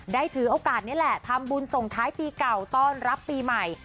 ถือโอกาสนี้แหละทำบุญส่งท้ายปีเก่าต้อนรับปีใหม่